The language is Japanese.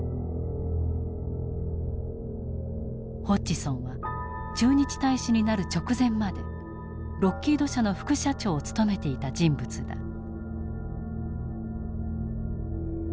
ホッジソンは駐日大使になる直前までロッキード社の副社長を務めていた人物だ。